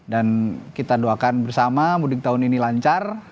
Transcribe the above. dan kita doakan bersama mudik tahun ini lancar